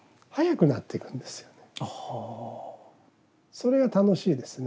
それが楽しいですね。